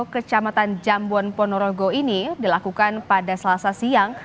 kecamatan jambon ponorogo ini dilakukan pada selasa siang